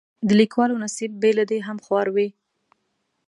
د لیکوالو نصیب بې له دې هم خوار وي.